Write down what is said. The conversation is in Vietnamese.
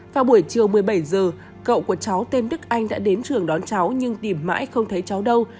vào buổi chiều một mươi bảy giờ cậu của cháu tên đức anh đã đến trường đón cháu nhưng tìm mãi không thấy cháu đâu